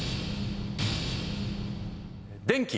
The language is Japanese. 電気。